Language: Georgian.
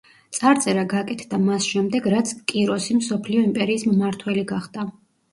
წარწერა გაკეთდა მას შემდეგ, რაც კიროსი მსოფლიო იმპერიის მმართველი გახდა.